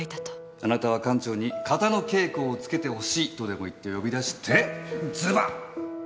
あなたは館長に形の稽古をつけてほしいとでも言って呼び出してズバー！